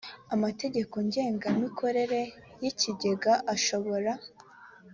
amategeko ngengamikorere y ikigega ashobora